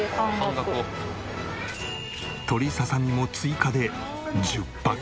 鶏ささみも追加で１０パック。